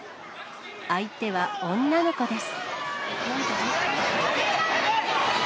相手は女の子です。